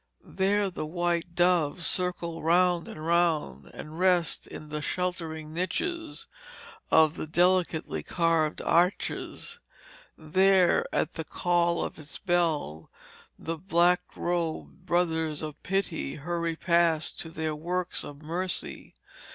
'There the white doves circle round and round, and rest in the sheltering niches of the delicately carved arches; there at the call of its bell the black robed Brothers of Pity hurry past to their works of mercy.